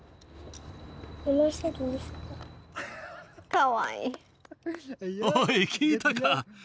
かわいい。